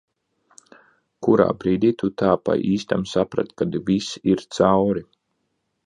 Kurā brīdī tu tā pa īstam saprati, ka viss ir cauri?